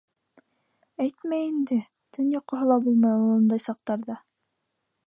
— Әйтмә инде, төн йоҡоһо ла булмай ул ундай саҡтарҙа.